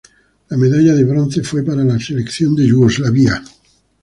La medalla de bronce fue para la selección de Yugoslavia.